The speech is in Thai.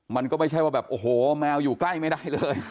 มันก็ไม่ใช่ว่าแบบโอ้โหแมวอยู่ใกล้ไม่ได้เลย